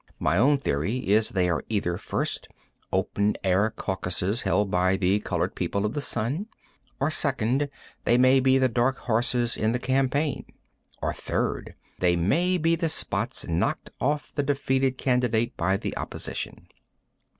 My own theory is they are either, first, open air caucuses held by the colored people of the sun; or, second, they may be the dark horses in the campaign; or, third, they may be the spots knocked off the defeated candidate by the opposition.